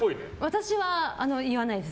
私は言わないです。